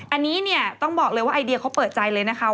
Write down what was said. อันนี้เนี่ยต้องบอกเลยว่าไอเดียเขาเปิดใจเลยนะคะ